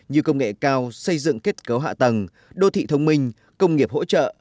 như công nghệ cao xây dựng kết cấu hạ tầng đô thị thông minh công nghiệp hỗ trợ